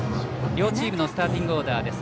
両チームのスターティングオーダーです。